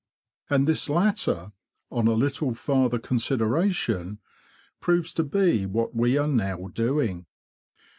And this latter, on a little farther consideration, proves to be what we are now doing.